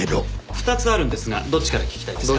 ２つあるんですがどっちから聞きたいですか？